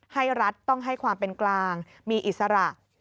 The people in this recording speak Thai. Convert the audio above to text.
รัฐต้องให้ความเป็นกลางมีอิสระ